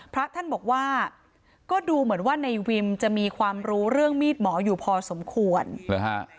พระท่านบอกว่าก็ดูเหมือนว่าในวิมจะมีความรู้เรื่องมีดหมออยู่พอสมควรหรือฮะ